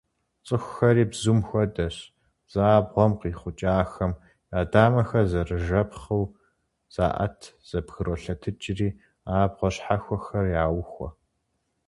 ЦӀыхухэри бзум хуэдэщ: зы абгъуэм къихъукӀахэм, я дамэхэр зэрыжэпхъыу, заӀэт зэбгролъэтыкӀри, абгъуэ щхьэхуэхэр яухуэ.